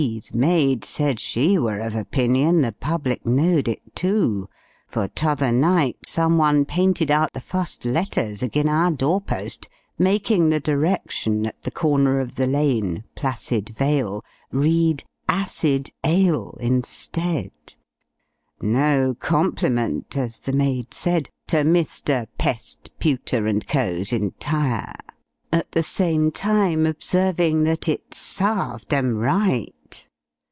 's maid said she were of opinion the public knowed it, too; for t'other night some one painted out the fust letters, ag'in our door post making the direction, at the corner of the lane, "Placid Vale," read "acid ale" instead, no compliment, as the maid said, to Mr. "Pest, Pewter, and Co.'s Entire;" at the same time observing, that it sarved 'em right!